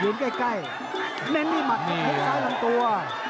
ยืนใกล้เน้นดี้มัดทางซ้ายลำตัว